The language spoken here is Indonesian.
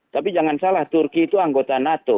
tapi jangan salah turki itu anggota nato